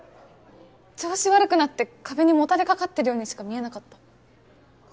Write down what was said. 調子悪くなって壁にもたれかかってるようにしか見えなかった。